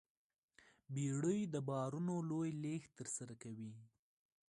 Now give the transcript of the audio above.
بیړۍ د بارونو لوی لېږد ترسره کوي.